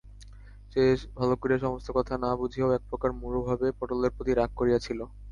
সে ভালো করিয়া সমস্ত কথা না বুঝিয়াও একপ্রকার মূঢ়ভাবে পটলের প্রতি রাগ করিয়াছিল।